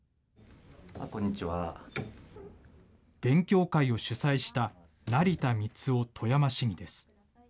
勉強会を主催した成田光雄富山市議です。